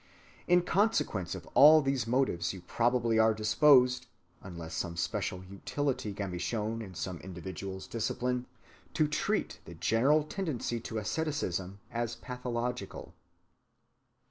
In consequence of all these motives you probably are disposed, unless some special utility can be shown in some individual's discipline, to treat the general tendency to asceticism as pathological.